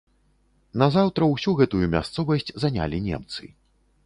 Назаўтра ўсю гэтую мясцовасць занялі немцы.